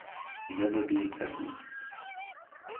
Never be a pessimist.